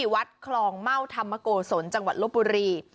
วัดคลองเม่าธรรมโกศลจังหวัดลบบุรี